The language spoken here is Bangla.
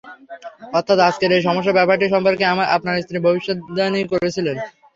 অর্থাৎ আজকের এই সমস্যার ব্যাপারটি সম্পর্কে আপনার স্ত্রী ভবিষ্যদ্বাণী করেছিলেন।